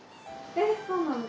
えそうなんだ。